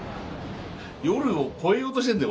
夜を超えようとしてるんだよ